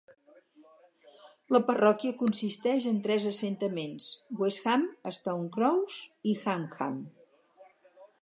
La parròquia consisteix en tres assentaments: Westham; Stone Cross; i Hankham.